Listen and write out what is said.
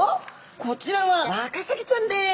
こちらはワカサギちゃんです。